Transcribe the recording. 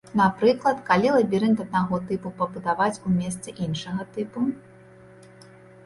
Напрыклад, калі лабірынт аднаго тыпу пабудаваць у месцы іншага тыпу?